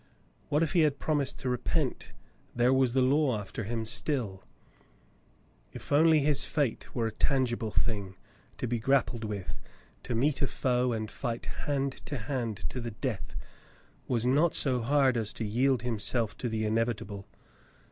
What if he had promised to repent; there was the law after him still ! If only his fate were a tangible thing, to be grappled with! To meet a foe and fight hand to hand to the death was not so hard as to yield himself to the inevitable.